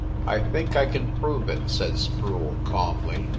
"I think I can prove it," said Sproule, calmly.